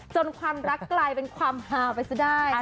จนความรักไกลเป็นความหากไปซะได้